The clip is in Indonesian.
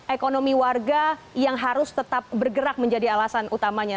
ekonomi warga yang harus tetap bergerak menjadi alasan utamanya